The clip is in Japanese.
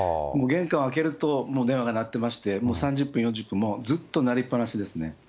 玄関を開けると、もう電話が鳴ってまして、もう３０分４０分もうずっと鳴りっぱなしですね。